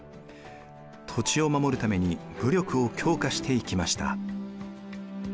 土地を守るために武力を強化していきました。